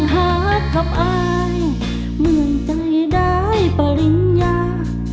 หากกับอายเหมือนใจได้ปริญญา